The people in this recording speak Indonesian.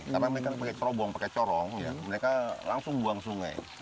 kadang mereka pakai corong mereka langsung buang sungai